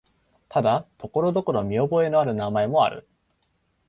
ただ、ところどころ見覚えのある名前もある。